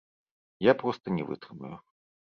Я проста не вытрымаю.